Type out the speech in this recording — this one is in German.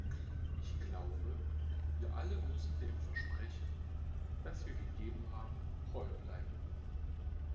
Ich glaube, wir alle müssen dem Versprechen, das wir gegeben haben, treu bleiben.